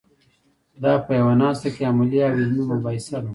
دا په یوه ناسته کې عملي او علمي مباحثه ده.